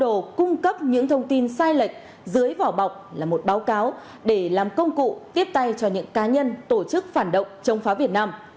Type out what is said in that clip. thủ cung cấp những thông tin sai lệch dưới vỏ bọc là một báo cáo để làm công cụ tiếp tay cho những cá nhân tổ chức phản động chống phá việt nam